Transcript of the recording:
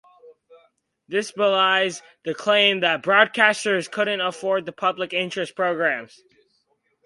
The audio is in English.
This belies the claim that broadcasters couldn't afford public interest programs.